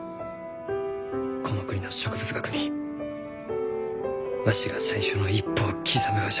この国の植物学にわしが最初の一歩を刻むがじゃ。